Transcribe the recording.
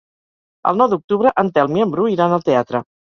El nou d'octubre en Telm i en Bru iran al teatre.